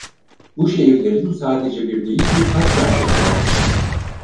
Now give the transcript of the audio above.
Bu "şehirlerin" sadece bir değil, birkaç merkezi vardır.